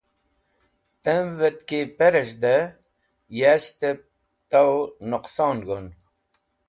Tamvẽt ki pẽrez̃hdẽ yashtẽb tor nẽqson gon.